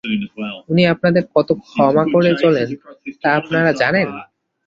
উনি আপনাদের কত ক্ষমা করে চলেন তা আপনারা জানেন?